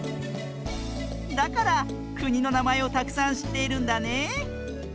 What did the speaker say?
だからくにのなまえをたくさんしっているんだね！